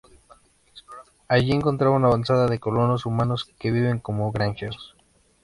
Allí encuentra una avanzada de colonos humanos que viven como granjeros.